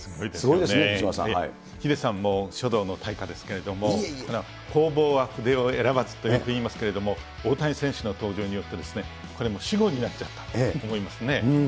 ヒデさんも書道の大家ですけれども、弘法は筆を選ばずといいますけれども、大谷選手の登場によって、これもう、死語になっちゃったと思いますね。